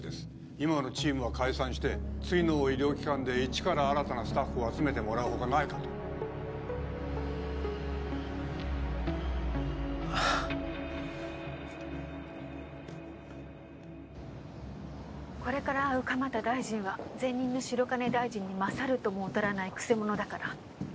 今のチームは解散して次の医療機関で一から新たなスタッフを集めてもらうほかないかとこれから会う蒲田大臣は前任の白金大臣に勝るとも劣らないくせ者だから何か仕掛けられても絶対に乗らないで